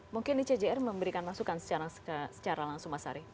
mungkin di cjr memberikan masukan secara langsung mas ari